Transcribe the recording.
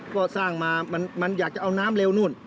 ก็สร้างมามันอยากจะเอาน้ำเร็วนู่น